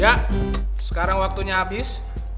ya sekarang waktunya habis